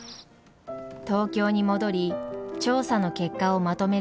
東京に戻り調査の結果をまとめる